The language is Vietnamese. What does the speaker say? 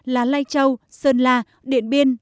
là lai châu sơn la điện biên